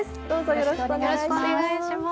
よろしくお願いします。